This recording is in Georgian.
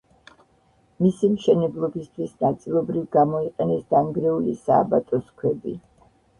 მისი მშენებლობისთვის ნაწილობრივ გამოიყენეს დანგრეული სააბატოს ქვები.